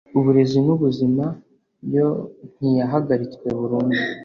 uburezi n’ ubuzima yo ntiyahagaritswe burundu